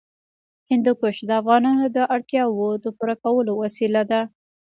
هندوکش د افغانانو د اړتیاوو د پوره کولو وسیله ده.